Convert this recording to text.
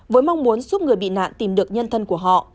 với mong muốn giúp người bị nạn tìm được nhân thân của họ